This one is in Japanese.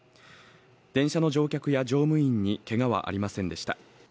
電車の乗客や乗務員にけがはありませんでした。